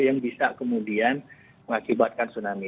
yang bisa kemudian mengakibatkan tsunami